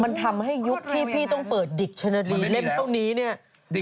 มันทำให้ยุคที่พี่ต้องเปิดดิคชันนาโลลีเล่นเท่านี้